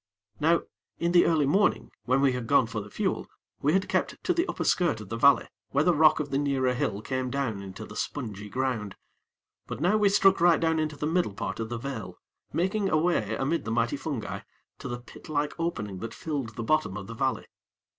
Now in the early morning, when we had gone for the fuel, we had kept to the upper skirt of the valley where the rock of the nearer hill came down into the spongy ground, but now we struck right down into the middle part of the vale, making a way amid the mighty fungi to the pit like opening that filled the bottom of the valley.